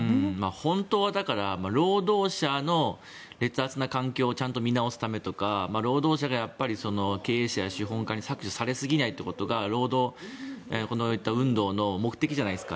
本当は労働者の劣悪な環境をちゃんと見直すためとか労働者が経営者や資本家に搾取されすぎないということが労働運動の目的じゃないですか。